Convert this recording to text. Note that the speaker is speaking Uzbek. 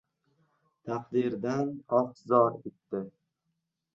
Taqdirdan oh-zor etdi: